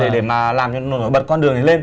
để mà làm cho nó nổi bật con đường này lên